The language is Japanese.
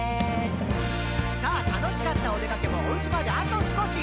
「さぁ楽しかったおでかけもお家まであと少し」